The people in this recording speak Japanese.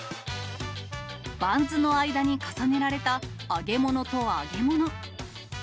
バンズの間に重ねられた揚げ物と揚げ物。